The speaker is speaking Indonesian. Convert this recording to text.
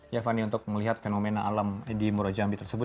ya fani untuk melihat fenomena alam di murajambi tersebut